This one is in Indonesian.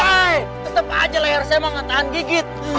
tetep aja layar saya mau ngetahan gigit